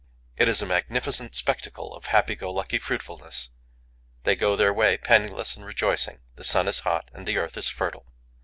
It is a magnificent spectacle of happy go lucky fruitfulness. They go their way, penniless and rejoicing. The sun is hot and the earth is fertile.